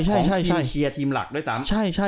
ของทีมเชียร์ทีมหลักด้วยซ้ำ